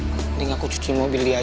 mending aku cuci mobil dia aja